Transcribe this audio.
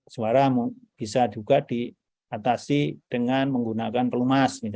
suara bisa juga diatasi dengan menggunakan pelumas